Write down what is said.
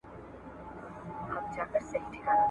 یو شته من وو چي دوې لوڼي یې لرلې !.